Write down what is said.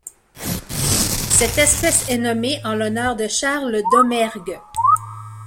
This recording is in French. Cette espèce est nommée en l'honneur de Charles Domergue.